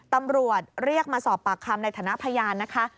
ตำรวจเรียกมาสอบปากคำในฐานะพยานนะคะ